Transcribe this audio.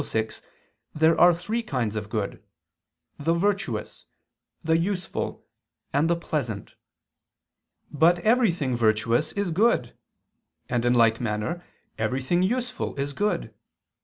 6) there are three kinds of good: the virtuous, the useful, and the pleasant. But everything virtuous is good; and in like manner everything useful is good.